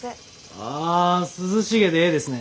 ああ涼しげでええですね。